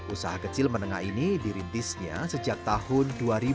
usaha kecil menengah ini dirintisnya sejak tahun dua ribu